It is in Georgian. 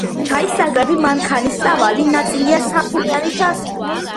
ჩაის საკრეფი მანქანის სავალი ნაწილია სამთვლიანი შასი.